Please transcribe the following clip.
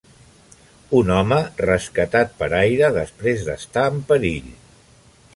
Un home rescatat per aire després d'estar en perill